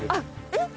えっ！